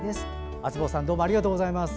あつぼーさんどうもありがとうございます。